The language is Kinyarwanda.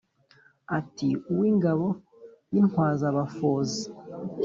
Ati :« Uw’ingabo y’intwazabafozi